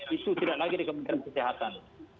itu tidak lagi di kementerian kesehatan